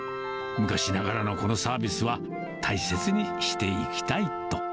昔ながらのこのサービスは大切にしていきたいと。